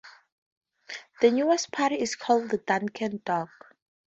The newer part is called the Duncan Dock.